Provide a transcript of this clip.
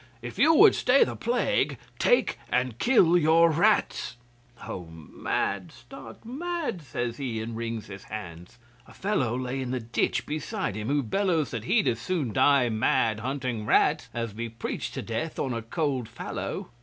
"If you would stay the plague, take and kill your rats." '"Oh, mad, stark mad!" says he, and wrings his hands. 'A fellow lay in the ditch beside him, who bellows that he'd as soon die mad hunting rats as be preached to death on a cold fallow.